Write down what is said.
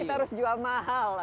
kita harus jual mahal